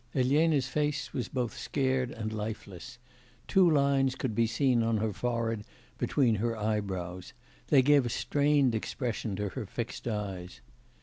Elena's face was both scared and lifeless; two lines could be seen on her forehead between her eyebrows; they gave a strained expression to her fixed eyes.